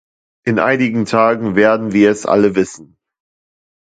In einigen Tagen werden wir es alle wissen.